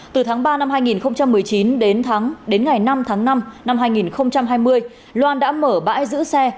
từ tháng ba năm hai nghìn một mươi chín đến ngày năm tháng năm năm hai nghìn hai mươi loan đã mở bãi giữ xe